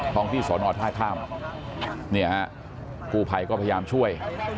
ห้องที่สอนอท่าข้ามเนี่ยฮะกู้ภัยก็พยายามช่วย